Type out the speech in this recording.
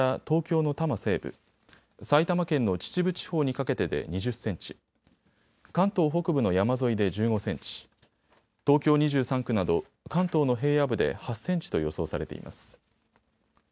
東京の多摩西部、埼玉県の秩父地方にかけてで２０センチ、関東北部の山沿いで１５センチ、東京２３区など関東の平野部で８センチと予想されています。